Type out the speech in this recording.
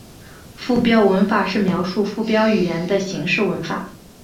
附标文法是描述附标语言的形式文法。